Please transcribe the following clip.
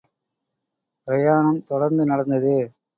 பிரயாணம் தொடர்ந்து நடந்தது.